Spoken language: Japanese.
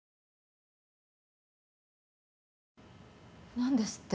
何ですって？